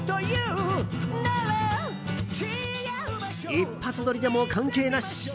一発撮りでも関係なし。